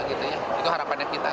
itu harapannya kita